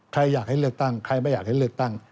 ใครอยากให้เลือกตั้งใครไม่อยากให้เลือกตั้ง